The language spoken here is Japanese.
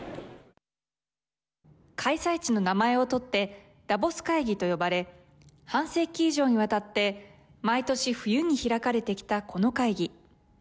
開催地の名前をとってダボス会議と呼ばれ半世紀以上にわたって毎年冬に開かれてきたこの会議。